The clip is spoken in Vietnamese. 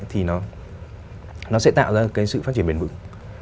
thì nó sẽ tạo ra cái sự phát triển bền vững